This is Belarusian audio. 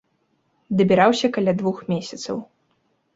Дабіраўся каля двух месяцаў.